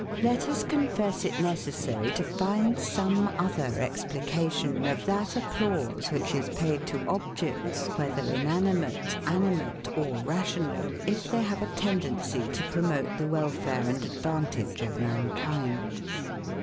Let us confess it necessary to find some other explication of that applause, which is paid to objects, whether inanimate, animate, or rational, if they have a tendency to promote the welfare and advantage of mankind.